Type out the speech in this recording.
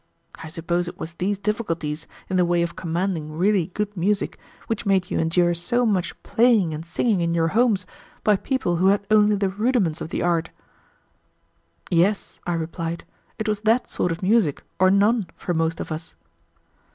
I suppose it was these difficulties in the way of commanding really good music which made you endure so much playing and singing in your homes by people who had only the rudiments of the art." "Yes," I replied, "it was that sort of music or none for most of us.